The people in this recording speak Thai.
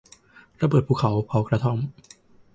ระเบิดภูเขาเผากระท่อม